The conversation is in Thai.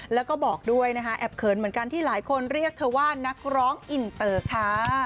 แล้วก็บอกด้วยนะคะแอบเขินเหมือนกันที่หลายคนเรียกเธอว่านักร้องอินเตอร์ค่ะ